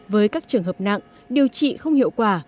với các trường hợp nặng điều trị không hiệu quả